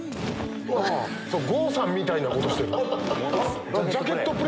郷さんみたいなことしてる。